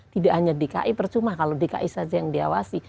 tidak hanya dki percuma kalau dki saja yang diawasi